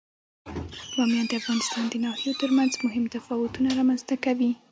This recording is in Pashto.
بامیان د افغانستان د ناحیو ترمنځ مهم تفاوتونه رامنځ ته کوي.